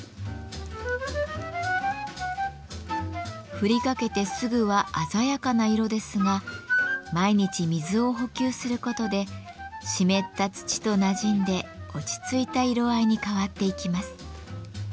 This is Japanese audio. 振りかけてすぐは鮮やかな色ですが毎日水を補給することでしめった土となじんで落ち着いた色合いに変わっていきます。